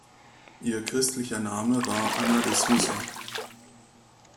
Ihr christlicher Name war Ana de Sousa.